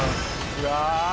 うわ。